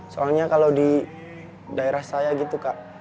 soalnya kalau di daerah saya gitu kak